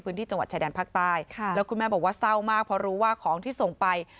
พื้นที่จังหวัดชายแดนภาคใต้แล้วคุณแม่บอกว่าเศร้ามากเพราะรู้ว่าของที่ส่งไป